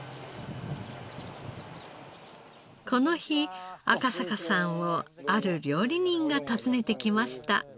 この日赤坂さんをある料理人が訪ねてきました。